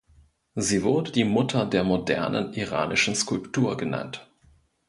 Sie wurde die „Mutter der modernen iranischen Skulptur“ genannt.